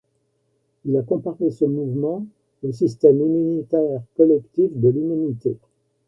Il a comparé ce mouvement au système immunitaire collectif de l'humanité.